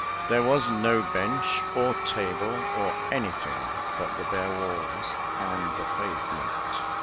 There was no bench, or table, or anything but the bare walls and the pavement.